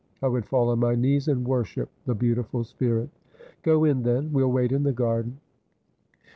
I would fall on my knees and worship the beautiful spirit.' ' Go in, then. We'll wait in the garden.'